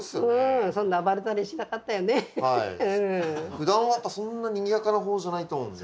ふだんはやっぱそんなにぎやかな方じゃないと思うんで。